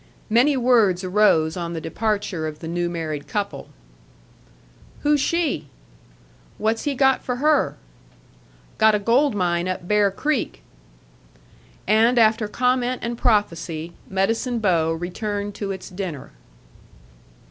Many words arose on the departure of the new married couple. "Who's she?" "What's he got for her?" "Got a gold mine up Bear Creek." And after comment and prophecy, Medicine Bow returned to its dinner.